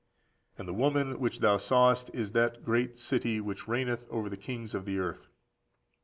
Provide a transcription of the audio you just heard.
And the woman which thou sawest is that great city, which reigneth over the kings of the earth.